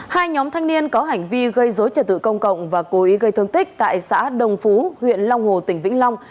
hai nhóm thanh niên có hành vi gây dối trật tự công cộng và cố ý gây thương tích tại xã đồng phú huyện long hồ tỉnh vĩnh long